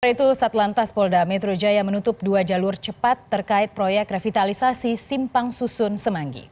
selain itu satlantas polda metro jaya menutup dua jalur cepat terkait proyek revitalisasi simpang susun semanggi